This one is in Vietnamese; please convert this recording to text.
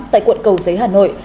tại quận cầu giấy hà nội